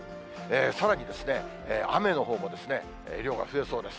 さらにですね、雨のほうも量が増えそうです。